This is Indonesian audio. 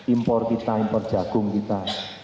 impor kita impor jagung kita